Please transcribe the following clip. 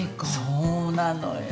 そうなのよ。